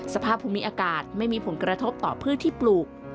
สภาพภูมิอากาศไม่มีผลกระทบต่อพืชที่ปลูก